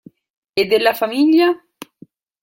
E della famiglia?